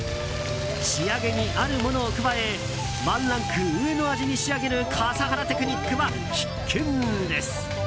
仕上げにあるものを加えワンランク上の味に仕上げる笠原テクニックは必見です。